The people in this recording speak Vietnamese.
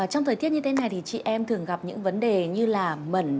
trong thời tiết như thế này thì chị em thường gặp những vấn đề như là mẩn